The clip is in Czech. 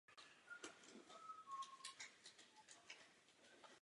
Na nejvyšší grandslamové úrovni se ve dvouhře nejdále probojovala do čtvrtého kola.